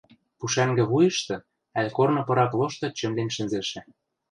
Пушӓнгӹ вуйышты ӓль корны пырак лошты чӹмлен шӹнзӹшӹ